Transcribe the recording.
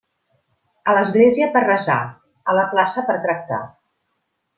A l'església per resar, a la plaça per tractar.